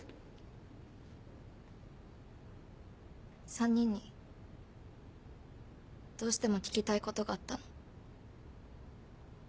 ３人にどうしても聞きたいことがあったの。